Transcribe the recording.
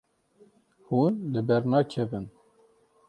Hûn li ber nakevin.